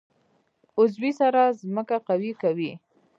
عضوي سره ځمکه قوي کوي.